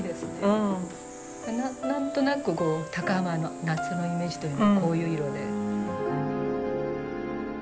何となく高浜の夏のイメージというとこういう色で。